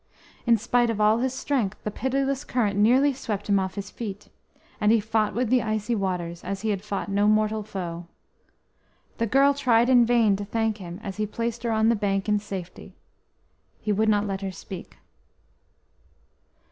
In spite of all his strength, the pitiless current nearly swept him off his feet, and he fought with the icy waters as he had fought no mortal foe. The girl tried in vain to thank him as he placed her on the bank in safety; he would not let her speak.